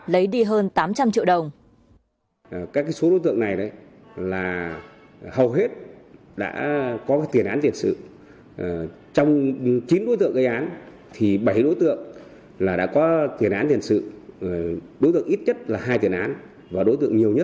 lấy đi hơn tám trăm linh triệu đồng